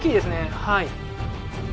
はい。